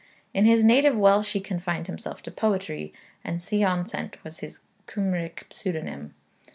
In his native Welsh he confined himself to poetry, and Sion Cent was his Cymric pseudonym.